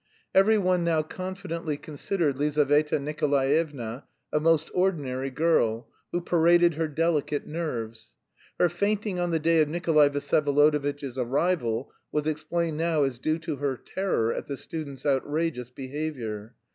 Every one now confidently considered Lizaveta Nikolaevna a most ordinary girl, who paraded her delicate nerves. Her fainting on the day of Nikolay Vsyevolodovitch's arrival was explained now as due to her terror at the student's outrageous behaviour.